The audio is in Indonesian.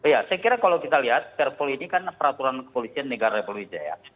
ya saya kira kalau kita lihat peraturan kepolisian negara republik jaya